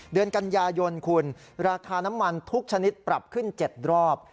เดือนกันยายนคุณราคาน้ำมันทุกชนิดปรับขึ้น๗รอบ